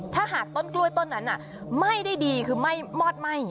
ถ้าหากต้นกล้วยต้นนั้นไหม้ได้ดีคือมอดไหม้